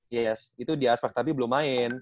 iya iya itu di aspak tapi belum main